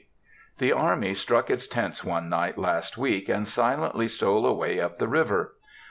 The army struck its tents one night last week, and silently stole away up the river.